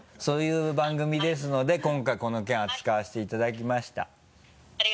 そういう番組ですので今回この件扱わせていただきました。